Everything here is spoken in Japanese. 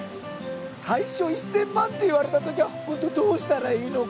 最初１，０００万って言われたときはホントどうしたらいいのか。